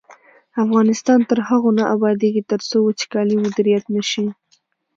افغانستان تر هغو نه ابادیږي، ترڅو وچکالي مدیریت نشي.